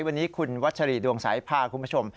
วันนี้คุณวัชรีดวงสายพาคุณผู้ชม